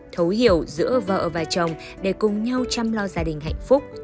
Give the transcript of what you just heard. thấu hiểu giữa vợ và chồng để cùng nhau chăm lo gia đình hạnh phúc